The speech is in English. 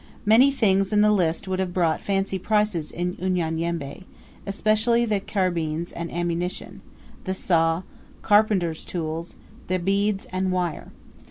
Many things in the list would have brought fancy prices in Unyanyembe, especially the carbines and ammunition, the saw, carpenter's tools the beads, and wire.